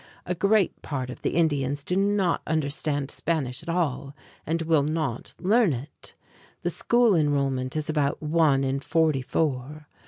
A great part of the Indians do not understand Spanish at all and will not learn it. The school enrollment is about one in forty four.